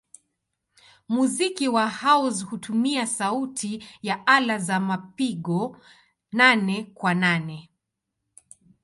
Muziki wa house hutumia sauti ya ala za mapigo nane-kwa-nane.